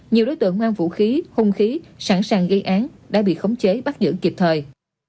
nhiều đối tượng mang vũ khí hung khí sẵn sàng gây án đã bị khống chế bắt giữ kịp thời